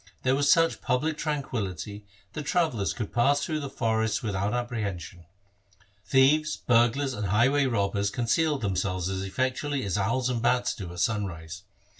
There was such public tranquillity that travellers could pass through the forests without ap prehension. Thieves, burglars, and highway robbers concealed themselves as effectually as owls and bats do at sunrise.